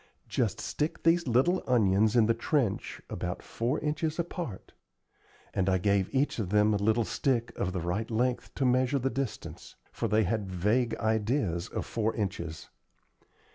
Just stick these little onions in the trench about four inches apart;" and I gave each of them a little stick of the right length to measure the distance; for they had vague ideas of four inches.